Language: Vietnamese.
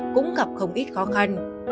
cũng gặp không ít khó khăn